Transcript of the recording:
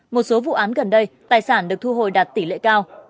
một số vụ án gần đây tài sản được thu hồi đạt tỷ lệ cao